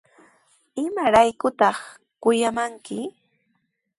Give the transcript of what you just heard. ¿Imaraykutaq kuyamankiku?